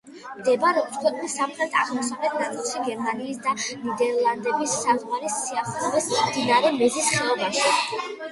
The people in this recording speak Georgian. მდებარეობს ქვეყნის სამხრეთ-აღმოსავლეთ ნაწილში, გერმანიის და ნიდერლანდების საზღვრის სიახლოვეს, მდინარე მეზის ხეობაში.